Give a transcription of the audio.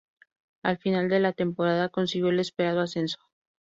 Al final de la temporada consiguió el esperado ascenso.